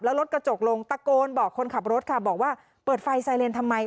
แล้วรถกระจกลงตะโกนบอกคนขับรถค่ะบอกว่าเปิดไฟไซเลนทำไม